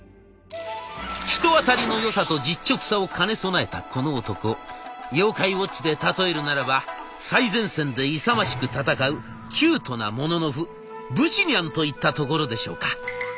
人当たりの良さと実直さを兼ね備えたこの男「妖怪ウォッチ」で例えるならば最前線で勇ましく戦うキュートなモノノフブシニャンといったところでしょうか。